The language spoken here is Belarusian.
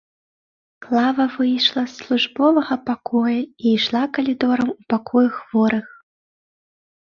Клава выйшла з службовага пакоя і ішла калідорам у пакоі хворых.